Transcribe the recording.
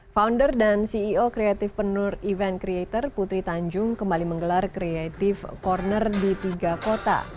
founder dan ceo creative penur event creator putri tanjung kembali menggelar creative corner di tiga kota